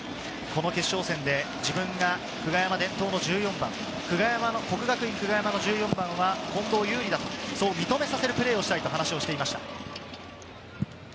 決勝戦で自分が久我山で１４番、國學院久我山の１４番は近藤侑璃だと、そう認めさせるプレーをしたいと話していました。